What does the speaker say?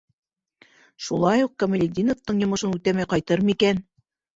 Шулай уҡ Камалетдиновтың йомошон үтәмәй ҡайтыр микән?